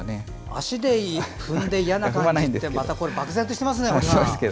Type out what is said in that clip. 足で踏んで嫌な感じってまた漠然としてますね、堀さん。